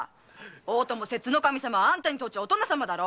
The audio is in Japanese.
大友摂津守様はあんたにとっちゃお殿様だろ！